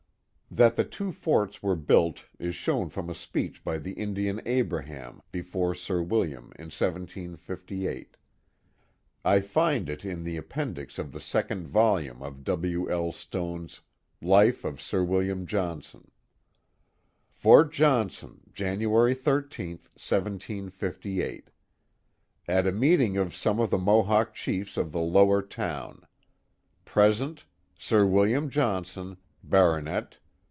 That the two forts were built is shown from a speech by the Indian Abraham, before Sir William in 1758. I find it in the appendix of the second volume of W. L. Stone's Life of Sir William Johnson, Fort Johnson, Jan. 13, 1758. At a meeting of some of the Mohawk chiefs of the lower town. Present, Sir William Johnson, Bart.